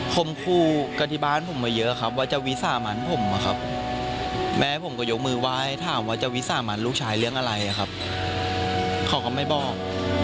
คมคู่กันที่บ้านผมมาเยอะครับว่าจะวิสามันผมอะครับแม่ผมก็ยกมือไหว้ถามว่าจะวิสามันลูกชายเรื่องอะไรครับเขาก็ไม่บอก